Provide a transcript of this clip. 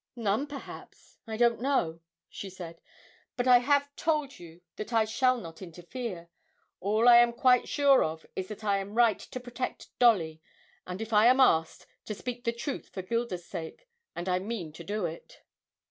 'None, perhaps I don't know,' she said. 'But I have told you that I shall not interfere. All I am quite sure of is that I am right to protect Dolly, and, if I am asked, to speak the truth for Gilda's sake. And I mean to do it.'